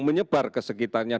mengikatkan kesehatan berat